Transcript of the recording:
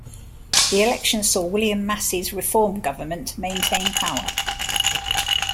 The election saw William Massey's Reform Government maintain power.